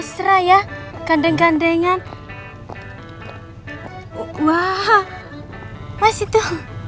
tanpa batas waktu